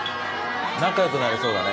仲良くなれそうだね。